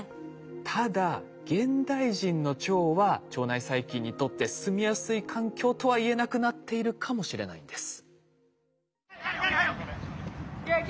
ただ現代人の腸は腸内細菌にとって住みやすい環境とは言えなくなっているかもしれないんです。